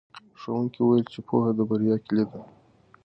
ښوونکي وویل چې پوهه د بریا کیلي ده.